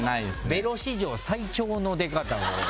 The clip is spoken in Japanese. ベロ史上最長の出方。